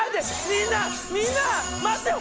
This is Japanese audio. みんなみんな待ってよ！